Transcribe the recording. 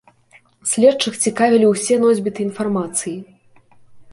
Следчых цікавілі усе носьбіты інфармацыі.